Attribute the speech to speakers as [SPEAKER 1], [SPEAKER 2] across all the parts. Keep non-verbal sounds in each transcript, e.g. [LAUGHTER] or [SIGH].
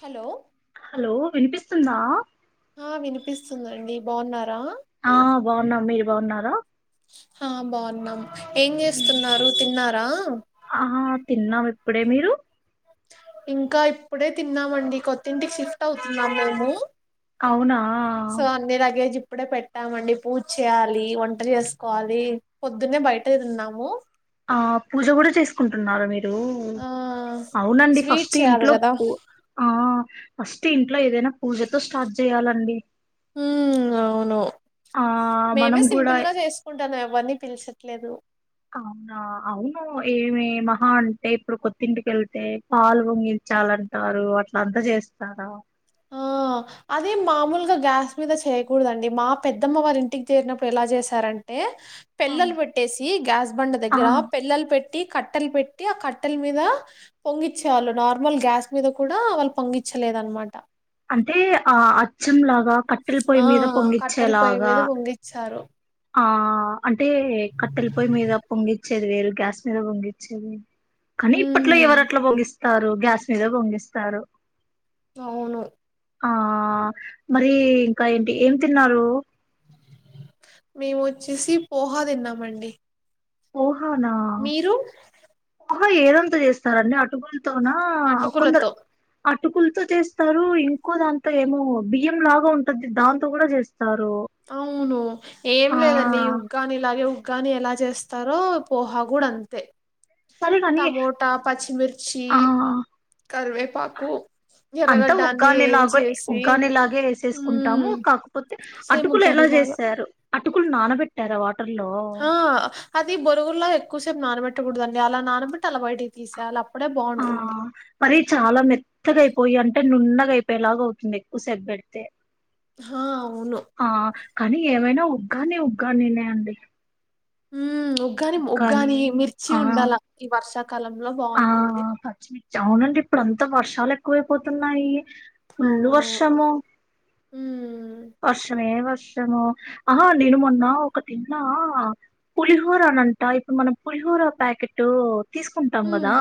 [SPEAKER 1] Hello
[SPEAKER 2] hello వినిపిస్తుందా
[SPEAKER 1] పిస్తుందండి బావున్నారా.
[SPEAKER 2] ఆ బావున్నా మీరు బావున్నారా.
[SPEAKER 1] ఆ బావున్నాం. ఏం చేస్తున్నారు, తిన్నా రా.
[SPEAKER 2] ఆ తిన్నాం ఇప్పుడే మీరు.
[SPEAKER 1] ఇంకా ఇప్పుడే తిన్నామండి కొత్త ఇంటికి షిఫ్ట్ అవుతున్నాం మేము.
[SPEAKER 2] అవునా.
[SPEAKER 1] సో అన్ని లగేజ్ ఇప్పుడే పెట్టామండి పూజ్ చేయాలి వంటలు చేసుకోవాలి. పొద్దున్నే బయట తిన్నాము
[SPEAKER 2] ఆ పూజ కూడా చేసుకుంటా.
[SPEAKER 1] ఆ
[SPEAKER 2] [UNINTELLIGIBLE] అవునండి
[SPEAKER 1] స్వీట్
[SPEAKER 2] ఫస్ట్
[SPEAKER 1] చేయాలి
[SPEAKER 2] ఇంట్లో
[SPEAKER 1] కదా
[SPEAKER 2] ఉ ఆ ఫస్ట్ ఇంట్లో ఇదేనా. పూజతో స్టార్ట్ చేయాలండి.
[SPEAKER 1] ను
[SPEAKER 2] ఆ మనం
[SPEAKER 1] మేమే
[SPEAKER 2] కూడా
[SPEAKER 1] సింపుల్ గా చేసుకుంటానామ్ వన్నీ పిల్చట్లేదు.
[SPEAKER 2] అవునా అవును ఏమొ మహా అంటే ఇప్పుడు కొత్త ఇంటికి వెల్తే పాలు పొంగిచ్చాలంటారు అట్ల అంతా చేస్తారా
[SPEAKER 1] ఆ అదే మామూలుగా గ్యాస్ మీద సేయ్యకూడదండి మా పెద్దమ్మ వారి ఇంటికి చేరినప్పుడు ఎలా చేసారంటే
[SPEAKER 2] ఆ
[SPEAKER 1] పెల్లలు పెట్టేసి గ్యాస్ బండ
[SPEAKER 2] ఆ,
[SPEAKER 1] దగ్గర పెల్లలు పెట్ పెట్టి కట్టెలు పెట్టి ఆ కట్టెల మీద పొంగించేవాళ్ళు నార్మల్ గ్యాస్ మీద కూడా వాళ్ళు పొంగించలేదనమాట
[SPEAKER 2] అంటే ఆ అచ్చం లాగా కట్టెల పొయ్యి
[SPEAKER 1] ఆ
[SPEAKER 2] మీద
[SPEAKER 1] కట్టెల పొయ్యి
[SPEAKER 2] పొంగిచ్చేలాగా
[SPEAKER 1] మీద పొంగిచ్చారు
[SPEAKER 2] ఆ అంటే కట్టెలి పొయ్యి మీద పొంగిచ్చేది వేరు గ్యాస్ మీద పొంగించింది కానీ ఇప్పట్లో
[SPEAKER 1] ఉమ్
[SPEAKER 2] ఎవరట్లా పొంగిస్ స్తారు గ్యాస్ మీద పొంగిస్తారు
[SPEAKER 1] అవును
[SPEAKER 2] ఆ మరి ఇంకా ఏంటి ఏం తిన్నారు
[SPEAKER 1] మేము వచ్చేసి పోహా తిన్నామండి
[SPEAKER 2] పోహ నా
[SPEAKER 1] మీరు
[SPEAKER 2] అదే ఏదాంతో చేస్తారండి లతోనా కొంద
[SPEAKER 1] అటుకులతో
[SPEAKER 2] అటుకులతో చేస్తారు ఇంకోదాంతో ఏమో బియ్యం లాగా ఉంటుంది దాంతో కూడా చే
[SPEAKER 1] అవును ఏం
[SPEAKER 2] ఆ
[SPEAKER 1] లేదండి ఉగ్గాని లాగే కాని ఎలా చేస్తారో పోహా కూడా అంతే
[SPEAKER 2] సరే కాని
[SPEAKER 1] టమోటా పచ్చిమిర్చి
[SPEAKER 2] ఆ
[SPEAKER 1] కరివేపాకు
[SPEAKER 2] అంత
[SPEAKER 1] ఎర్రగడ్డ అన్ని
[SPEAKER 2] ఉగ్గానిలాగే
[SPEAKER 1] ఏంచేసి
[SPEAKER 2] ఉగ్గానిలాగే ఎసేసుకుంటాము
[SPEAKER 1] మ్మ్
[SPEAKER 2] కాకపోతే అటుకులు ఎలా
[SPEAKER 1] సేముగ్గానిలాగా
[SPEAKER 2] జేసారు అటుకులు నానబెట్టారా వా
[SPEAKER 1] హ అది బొరుగుల్ల ఎక్కువ సేప్ నాన్నబె పెట్టకూడదండి అలా నానబట్టి అలా బయటకి తీసేయాల
[SPEAKER 2] ఆ మరి చాలా మెత్తగాయిపోయంటే నున్నగా అయిపోయేలాగ అవుతుంది ఎక్కువ సేపెడితే
[SPEAKER 1] ఆ అవును
[SPEAKER 2] ఆ కానీ ఏమైనా ఉగ్గానీ ఉగ్గానీనే అండి
[SPEAKER 1] ఉమ్ ఉగ్గాని ఉగ్గానియే మిర్చి
[SPEAKER 2] ఆ
[SPEAKER 1] ఉండాల ఈ వర్ష కలంలో
[SPEAKER 2] ఆ
[SPEAKER 1] బావుంటుంది
[SPEAKER 2] పచ్చిమిర్చి అవునండి ఇప్పుడు అంతా వర్షాలు ఎక్కువైపోతున్నాయి ఫుల్లు వర్షము
[SPEAKER 1] ఉమ్
[SPEAKER 2] వర్షమే వ ర్షము ఆహా నేను మొన్న ఒక తిన్నా పులిహోర నంట ఇప్పుడు మనం పులిహోర ప్యాకెట్ తీసుకుంటాం
[SPEAKER 1] మ్మ్
[SPEAKER 2] కదా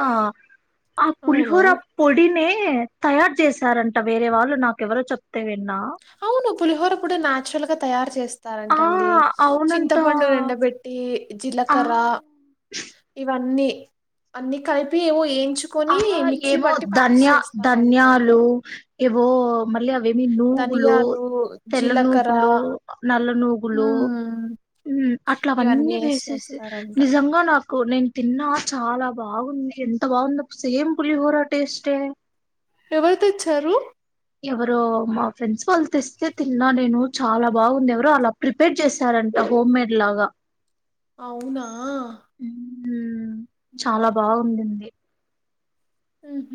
[SPEAKER 2] ఆ
[SPEAKER 1] అవును
[SPEAKER 2] పులిహోర పొడినే యే తయారు చేసారంట వేరే వాళ్ళు నాకు ఎవరో చెప్ తే విన్నా
[SPEAKER 1] అవును పులిహోర కూడా నాచురల్ గా తయారు చేస్
[SPEAKER 2] ఆ
[SPEAKER 1] స్తారంటండి
[SPEAKER 2] అవునంట
[SPEAKER 1] చింతపండు ఎండబెట్టి
[SPEAKER 2] ఆ
[SPEAKER 1] జీలకర్ర ఇవన్నీ అన్ని కలిపి ఏమో ఏం
[SPEAKER 2] ఆ ఏమో ధన్యా
[SPEAKER 1] చేస్తారంట
[SPEAKER 2] ధన్యాలు ఏవో మళ్ళీ అవేమి నూగులు
[SPEAKER 1] ధనియాలు
[SPEAKER 2] తెల్ల
[SPEAKER 1] జీలకర్ర
[SPEAKER 2] నూగులు నల్ల నూగులు
[SPEAKER 1] హ్మ్
[SPEAKER 2] ఉ అట్ల
[SPEAKER 1] ఇవన్నీ
[SPEAKER 2] అవన్నీ
[SPEAKER 1] వేసి
[SPEAKER 2] వేసేసి
[SPEAKER 1] చేస్తారంట
[SPEAKER 2] నిజంగా నాక్ కు నేను తిన్నా చాలా బాగుంది ఎంత బాగుందో సేమ్ పులిహోరా టేస్ట్యే
[SPEAKER 1] ఎవరు తెచ్చారు
[SPEAKER 2] ఎవరో మా ఫ్రెండ్స్ వాళ్ళు తెస్తే తిన్నా నేను చాలా బాగుంది ఎవరో అలా ప్రిపేర్ చేశారంట హోమ్మేడ్ లాగా
[SPEAKER 1] అవునా
[SPEAKER 2] ఊ చాలా బాగుండింది అండి
[SPEAKER 1] ఉహు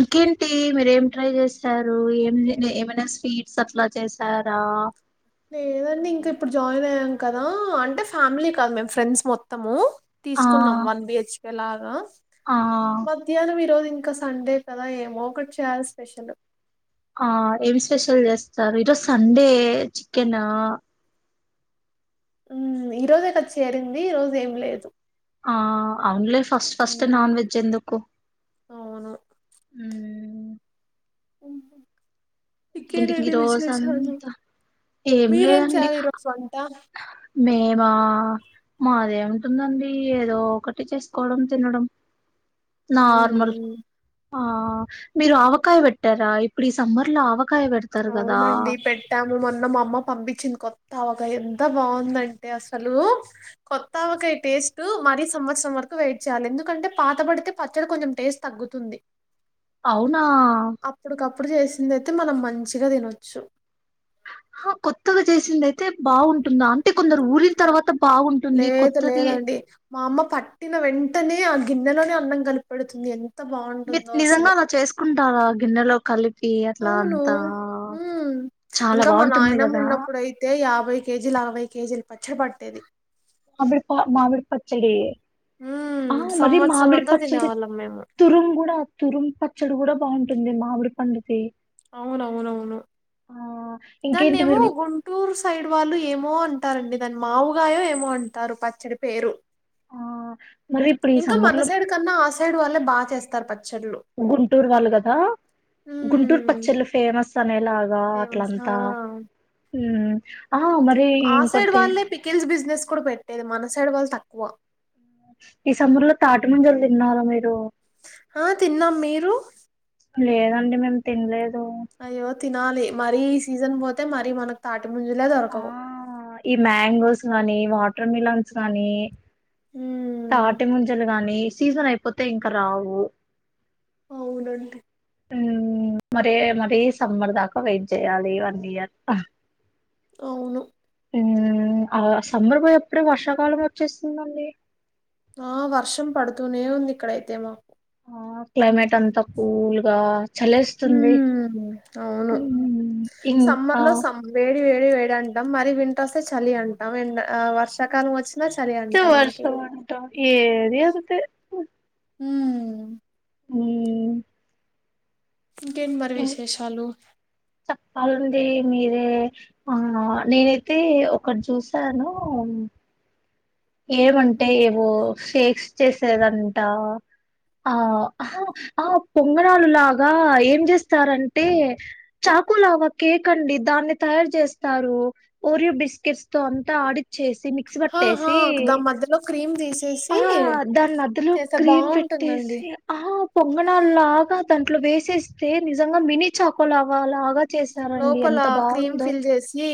[SPEAKER 2] ఇంకేంటి మీరూ ఏం ట్రై చేస్తారు ఏం ఏమైనా స్వీట్స్ అట్లా చేసారా
[SPEAKER 1] లేదండి ఇంకా ఇప్పుడు జాయిన్ అయ్యాం కదా. అంటే ఫ్యామిలీ కద్ మేము ఫ్రెండ్స్ మొత్తము
[SPEAKER 2] ఆ!
[SPEAKER 1] తీసుకున్నాం వన్ బిహెచ్కే లా ఆ
[SPEAKER 2] ఆ!
[SPEAKER 1] మధ్యాహ్నం ఈరోజు ఇం ఇంకా సండే కదా ఏమో ఒకటి చేయాలి స్పెషల్
[SPEAKER 2] ఆ ఏం స్పెషల్ జేస్తారు. ఈరోజు సండే చికెనా
[SPEAKER 1] ఉమ్ ఈ రోజే కద్ చేరింది. ఈ రోజ్ ఏం లేదు
[SPEAKER 2] ఆ అవున్లే first first non
[SPEAKER 1] um,
[SPEAKER 2] veg ఎందుకు
[SPEAKER 1] అవును
[SPEAKER 2] మ్
[SPEAKER 1] హ్ హూ
[SPEAKER 2] ఇంటికి ఈ రోజంతా ఏం
[SPEAKER 1] మీరేం
[SPEAKER 2] లేదండి.
[SPEAKER 1] చేయాలి ఈరోజు వంట
[SPEAKER 2] మేమా మాదేముంటుందండి. ఏదో ఒకటి చేసుకోవడం తినడం నార్మల్
[SPEAKER 1] ఉమ్
[SPEAKER 2] ఆ మీరు ఆవకాయ పెట్టారా. ఇప్పుడు సమ్మర్ల ఆవక్
[SPEAKER 1] అవునండి పెట్టాము మొన్న మామ్మ పంపించింది కొత్ త్త ఆవకాయ్ ఎంత బాగుందంటే. అసలు కొత్త ఆవకాయ్ టేస్టు, మరీ సంవత్సరం వరకు వెయిట్ చేయ్యాలి. ఎందుకంటే, పాత పడితే పచ్చడి కొంచెం టేస్ట్ తగ్గుతుంది.
[SPEAKER 2] అవునా
[SPEAKER 1] ప్పుడు జేసిందైతే మనం మంచ్ గా దినొచ్చు
[SPEAKER 2] హ కొత్తగా జేసిందై తే బాగుంటుందా. అంటే కొందరు ఊరిన తర్వాత బాగుం
[SPEAKER 1] లేద్ లేదండి మా అమ్మ పట్టిన వెంటనే, ఆ గిన్నెలోనే అన్నం కలిపెడుతుంది ఎన్
[SPEAKER 2] మిర్ నిజంగా అలా చేసుకుంటారా గిన్నెలో కలిప్
[SPEAKER 1] అవును హ్మ్.
[SPEAKER 2] చాలా
[SPEAKER 1] ఇంకా మా
[SPEAKER 2] బాగుంటుంది
[SPEAKER 1] నాయనమ్మ
[SPEAKER 2] కదా
[SPEAKER 1] ఉన్నప్పుడైతే యాభై కేజీల్ అరభై కేజీల్ పచ్చడ్ పట్టేది
[SPEAKER 2] మామిడిపా మామిడి పచ్చడి
[SPEAKER 1] హ్మ్.
[SPEAKER 2] ఆ, మరి
[SPEAKER 1] సంవత్సరం
[SPEAKER 2] మామిడి
[SPEAKER 1] అంతా
[SPEAKER 2] పచ్చడి
[SPEAKER 1] తినేవాళ్ళం మేము.
[SPEAKER 2] తురుం కూడా. తురుం పచ్చడి కూడా బాం టుంది మామిడి పండుతీ
[SPEAKER 1] అవునవునవును.
[SPEAKER 2] ఇంకేంటి
[SPEAKER 1] దానేమో,
[SPEAKER 2] మీరు
[SPEAKER 1] గుంటూరు సైడ్ వాళ్ళు ఏమో అం టారండి దాన్ మావుగాయో ఏమో అంటారు. పచ్చడి పేరు
[SPEAKER 2] ఆ మరిపుడు ఈ
[SPEAKER 1] ఇంకా
[SPEAKER 2] సమ్మర్
[SPEAKER 1] మన
[SPEAKER 2] లో
[SPEAKER 1] సైడ్ కన్నా ఆ సైడ్ వాళ్ళే బా చేస్తార్ ప
[SPEAKER 2] గుంటూరు వాళ్ళు గదా గుంటూర్
[SPEAKER 1] హ్మ్.
[SPEAKER 2] పచ్చలు ఫేమస్ సమేల్ ఇలాగా
[SPEAKER 1] ఫేమస్. ఆ!
[SPEAKER 2] అట్లంతా ఉ
[SPEAKER 1] ఆ సైడ్ వాళ్ళ పికిల్స్ బిజినెస్ కూడా పెట్టేది మన అసైడ్డ వాళ్ తక్కువ
[SPEAKER 2] ఈ సముర లో తాటిమజలు తిన్నారా మీరు
[SPEAKER 1] ఆ తిన్నాం మీరు
[SPEAKER 2] తిలేదు
[SPEAKER 1] అయ్యో తినాలి మరీ ఈ సీజన్ పోతే మరీ మనకు తాటి తు ముంజలే దోరక
[SPEAKER 2] ఆ
[SPEAKER 1] వ్
[SPEAKER 2] ఈ మ్యాంగోస్ గానీ వాటర్ మిలన్స్ గానీ
[SPEAKER 1] ఉమ్
[SPEAKER 2] తాటి ముంజలు గాని స్ సీజన్ అయిపోతే ఇంక రావు
[SPEAKER 1] అవునండి
[SPEAKER 2] మరే మరీ సమ్మర్ దాకా వెయిట్ చేయాలి వన్ ఇయర్
[SPEAKER 1] అవును
[SPEAKER 2] ఆ సమ్మర్ పోయి ఎప్పుడే వర్షాకాలం వచ్చేస్తుందండి
[SPEAKER 1] ఆ వర్షం పడుతూనే ఉంది ఇక్కడైతే మాకు
[SPEAKER 2] ఆ క్లైమేట్ అంతా కూల్గా చలేస్తుంది
[SPEAKER 1] ఉమ్ అవును
[SPEAKER 2] ఇంకా
[SPEAKER 1] సమ్మర్ లో సమ్ వేడి వేడి అంటాం మరి వింత వస్తే చలి అంటాం వర్షకాలం వచ్చి
[SPEAKER 2] ఇ వర్షం ఉంటం ఏది అకతే
[SPEAKER 1] హు
[SPEAKER 2] హమ్
[SPEAKER 1] ఇంకేమ్ మరి విశేషాలు
[SPEAKER 2] అలాండి మీరే ఆ నేనైతే ఒకటి చూసాను ఏమంటే ఏవో షేప్స్ చేసేదంట ఆ ఆ పొంగణలు లాగా ఏం చేస్తారంటే చాకు లావా కేక్ అండి దాన్ని తయారు చేస్తారు ఓరియో బిస్కెట్స్ తో అంతా ఆడిచ్చేసి తిన్ మిక్స్ పట్టేస్
[SPEAKER 1] ఆహా
[SPEAKER 2] తీ
[SPEAKER 1] దాని మధ్యలో క్రీమ్ తీసేసి
[SPEAKER 2] అహా దానిధలో
[SPEAKER 1] చేస్తే
[SPEAKER 2] క్రీమ్
[SPEAKER 1] బాగుంటుందండి
[SPEAKER 2] పెట్టేసి ఆహ పొంగణలు లాగా దాంట్లో వేసేస్తే నిజంగా మినీ చాకోలాగ లాగ చేసారండి
[SPEAKER 1] లోపల
[SPEAKER 2] ఎంత
[SPEAKER 1] క్రీమ్
[SPEAKER 2] బాగుందో
[SPEAKER 1] ఫిల్ చేసి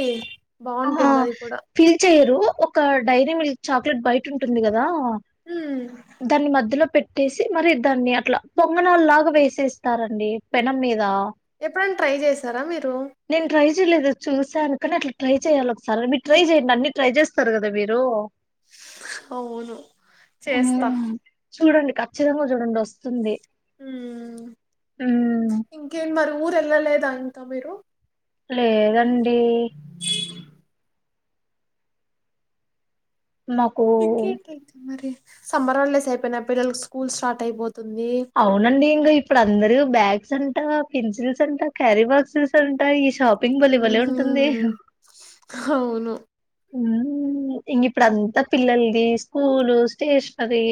[SPEAKER 2] అ
[SPEAKER 1] బాగుంటుంది అది కూడా
[SPEAKER 2] ఫీల్ చెయరు త డై అదే మీల్క్ చాక్లెట్ బయట ఉంటుంది కదా
[SPEAKER 1] ఉమ్
[SPEAKER 2] దాన్ని మధ్యలో పెట్ పెట్టేసి మరి దాన్ని అట్లా పొంగనాలు లాగా వేసేస్తారండి పెనం మీద
[SPEAKER 1] ఎప్పుడైనా ట్రై చేశారా మీరు
[SPEAKER 2] సార్ ఒకటి అట్లా ట్రై చేయాలి. ఒకసారి మీరు ట్రై చేయండి. అన్ని ట్రై చేస్తారు కదా మీరు రో
[SPEAKER 1] అవును చేస్తా
[SPEAKER 2] కచ్చితంగా చూడండి వస్తుంది
[SPEAKER 1] హ్మ్
[SPEAKER 2] మ్మ్
[SPEAKER 1] ఇంకేం మర్ ఊరు ఎల్లాలేదా ఇంకా మీరు
[SPEAKER 2] లేదండి టీ మాకు
[SPEAKER 1] ఇంకేంటండి మరి సమ్మర్ హాలిడేస్ అయిపోయినాయ్ పిల్లలకు స్కూల్ స్టార్ట్ అయిపోతు
[SPEAKER 2] అవునండి ఇంకా ఇప్పుడు అందరూ బ్యాగ్ సెంటర్ ఆఫ్ పెన్సిల్స్ అంట క్యారీ బాక్సెస్ అంటా ఈ షాప్
[SPEAKER 1] హ్మ్ అవును
[SPEAKER 2] ఉ ఇంగి ఇప్పుడు అంతా పిల్లల్ స్కూలు, స్టేషనరి,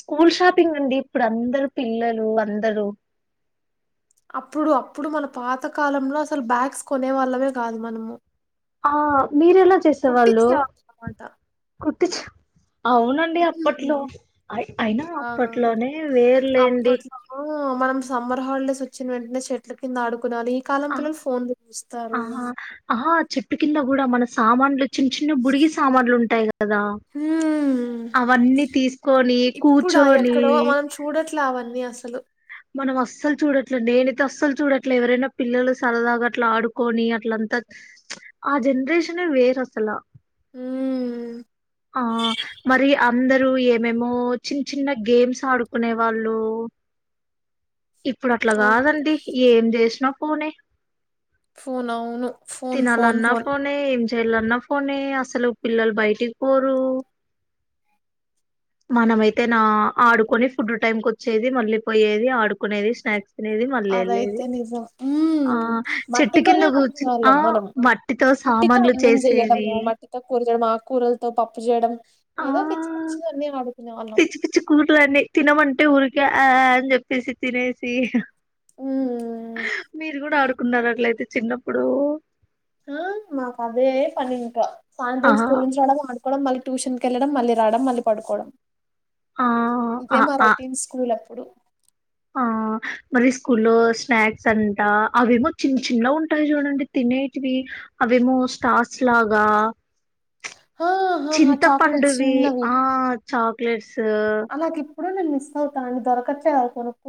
[SPEAKER 2] స్కూల్ షాప్ చెప్పింగ్ అండి ఇప్పుడు అందరు పిల్లలు అందరూ
[SPEAKER 1] అప్పుడు, అప్పుడు మన పాత కాలంలో అసలు బ్యాగ్స్ కొనే వాళ్ళమే కాదు. మనము
[SPEAKER 2] ఆ మీరెలా చేసేవాళ్ళు
[SPEAKER 1] కుట్టించేవాళ్ళం అన్నమాట
[SPEAKER 2] కు కుట్టిచ్ఛా అవునండి. అప్పట్లో
[SPEAKER 1] మ్మ్.
[SPEAKER 2] అయినా
[SPEAKER 1] ఆ
[SPEAKER 2] అప్పట్లోనే వేర్లేండి.
[SPEAKER 1] అప్పట్లో మనం సమ్మర్ హాలిడేస్ వచ్చిన వెంటనే చెట్ల కింద ఆడు
[SPEAKER 2] ఆ ఆహా ఆహా చెట్టు కింద కూడా మనసు సామాన్లు చిన్న చిన్న బుడిగి సామాన్లు ఉంటాయి. కదా
[SPEAKER 1] మ్మ్.
[SPEAKER 2] అవన్నీ తీసుకొని
[SPEAKER 1] ఇప్పుడా
[SPEAKER 2] కూర్చొని
[SPEAKER 1] ఎక్కడో మనం చూడట్లే అవన్నీ అసలు
[SPEAKER 2] మనం అస్సలు చూడట్లే నేనైతే అస్సలు చూడట్లే, ఎవరైనా పిల్లలు సరదాగా అట్లా ఆడుకొని, అట్లంతా ఆ జనరేషన్ వేర్ అస్సలు
[SPEAKER 1] మ్మ్.
[SPEAKER 2] ఆ మరి అందరూ ఏమేమో చిన్న చిన్న గేమ్స్ ఆడుకునే వాళ్ళు ఇప్పుడు అట్లా
[SPEAKER 1] అవును
[SPEAKER 2] కాదండి. ఏం చేసినా ఫోనే
[SPEAKER 1] ఫోన్ అవును ఫోన్ ఫోన్ ఫోన్
[SPEAKER 2] ఏళన్న ఫోనే అసలు పిల్లలు బయటికి పోరు. మనమైతే నా ఆడుకొని ఫుడ్ టైంకి వచ్చేది. మళ్ళీ పోయేది ఆడు క్కునేది స్నాక్స్ తినేది మళ్ళీ వెళ్ళేది
[SPEAKER 1] అదైతే నిజం
[SPEAKER 2] ఆ
[SPEAKER 1] హ్మ్
[SPEAKER 2] చెట్టు
[SPEAKER 1] మట్టితోనే
[SPEAKER 2] కింద
[SPEAKER 1] ఆడుకునే
[SPEAKER 2] కూర్చుని ఆ
[SPEAKER 1] వాళ్ళం. మనం
[SPEAKER 2] మట్టితో
[SPEAKER 1] మట్టితో
[SPEAKER 2] సామాన్లు
[SPEAKER 1] అన్నం
[SPEAKER 2] చేసేవి
[SPEAKER 1] చెయ్యాడము, మట్టితో కూర చెయ్యడం కూరలతో పప్పు చేయడం
[SPEAKER 2] ఆ
[SPEAKER 1] ఏదో పిచ్చి పిచ్చివన్నీ ఆడుకునేవాళ్ళం
[SPEAKER 2] పిచ్చి పిచ్చి [UNINTELLIGIBLE] తినమంటే ఊ ఆ అని చెప్పేసి తినేసి
[SPEAKER 1] మ్మ్.
[SPEAKER 2] మీరు కూడా ఆడుకున్నారు అట్లయితే చిన్నప్పుడు
[SPEAKER 1] ఆ మా అదే పనింక సాయంత్రం
[SPEAKER 2] ఆహా
[SPEAKER 1] స్కూల్ నుంచి రావడమూ ఆడు [UNINTELLIGIBLE] మళ్ళీ ట్యూషన్కి వెళ్ళడం మళ్ళీ రావడం మళ్ళీ పడుకోవడం
[SPEAKER 2] ఆ ఆ
[SPEAKER 1] ఇదే మా
[SPEAKER 2] ఆ
[SPEAKER 1] రొటీన్ స్కూల్ ఇప్పుడు
[SPEAKER 2] ఆ మరి స్కూల్లో స్నాక్ సంట అవేమో చిన్న చిన్న ఉంటాయి చూడండి తినేటివి అవేమో స్టార్స్ లాగా
[SPEAKER 1] ఆ, ఆ, ఆ,
[SPEAKER 2] చింత
[SPEAKER 1] చాక్లెట్స్
[SPEAKER 2] పండువి
[SPEAKER 1] చిన్నవి
[SPEAKER 2] ఆ చాక్లెట్స్
[SPEAKER 1] [UNINTELLIGIBLE] మిస్ అవుతానం దొరకటే [UNINTELLIGIBLE]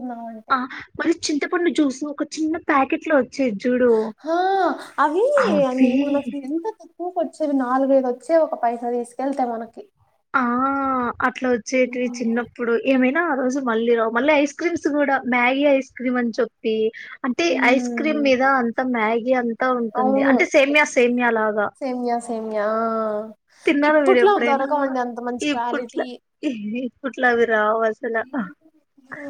[SPEAKER 2] ఆ మరి చింతపండు జూసు ఒక చిన్న ప్యాకెట్ లో వచ్చేది చూడు
[SPEAKER 1] హా అవి [UNINTELLIGIBLE]
[SPEAKER 2] అవి
[SPEAKER 1] [UNINTELLIGIBLE] కొచ్చేవి నాలుగైద వచ్చి ఒక పైసా తీసుకెళ్తే మనకి
[SPEAKER 2] ఆ అట్లా వచ్చేటివి
[SPEAKER 1] హ్మ్.
[SPEAKER 2] చిన్నప్పుడు ఏమై ఆ రోజు మళ్ళీ రా మళ్ళీ ఐస్ క్రీమ్స్ కూడా మ్యాగీ ఐస్ క్రీమ్ అని చెప్పి అంటే ఐస్ క్రీమ్
[SPEAKER 1] హ్మ్.
[SPEAKER 2] మీద అంత మ్యా అంతా ఉంటుంది
[SPEAKER 1] అవును.
[SPEAKER 2] అంటే సేమ్య సేమ్య లాగా
[SPEAKER 1] సేమ్యా సేమ్యా ఆ!
[SPEAKER 2] తిన్నారా మీర
[SPEAKER 1] ఇప్పట్లో అవి
[SPEAKER 2] ఎప్పుడనా
[SPEAKER 1] దొరకవండి అంత మంచి క్వాలిటీ.
[SPEAKER 2] [UNINTELLIGIBLE] [UNINTELLIGIBLE] రవ్వసాల
[SPEAKER 1] ఆ!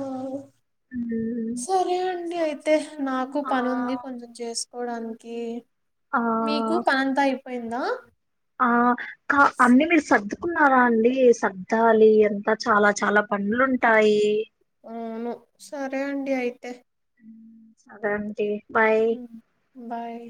[SPEAKER 1] తే నాకు పని ఉంది కొంచెం చేస్ పోడానికి
[SPEAKER 2] ఆ
[SPEAKER 1] మీకు పాంతా ఇ పోయిందా
[SPEAKER 2] ఆ కా అన్నీ మీరు సర్దు కున్నారా అండి సర్దాలి అంత చాలా చాలా పనులుంటాయి
[SPEAKER 1] అవును సరే అండి అయితే
[SPEAKER 2] అదేంటి
[SPEAKER 1] బాయ్